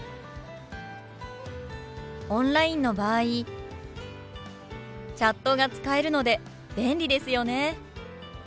オンラインの場合チャットが使えるので便利ですよね。